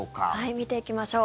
見ていきましょう。